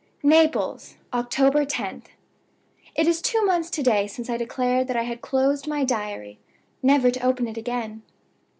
"NAPLES, October 10th. It is two months to day since I declared that I had closed my Diary, never to open it again.